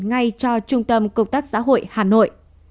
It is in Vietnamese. ngay cho trung tâm công tác xã hội hà nội